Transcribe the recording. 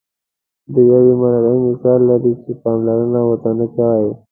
د یوې مرغۍ مثال لري چې پاملرنه ورته نه کوئ.